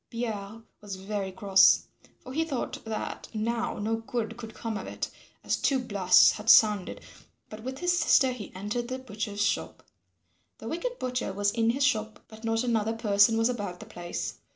Pierre was very cross, for he thought that now no good could come of it, as two blasts had sounded, but with his sister he entered the butcher's shop. The wicked butcher was in his shop, but not another person was about the place.